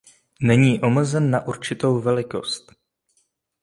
Není omezen na určitou velikost.